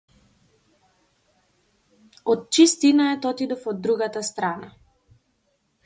Од чист инатет отидов од другата страна.